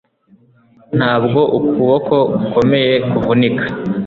Ntabwo ukuboko gukomeye kuvunika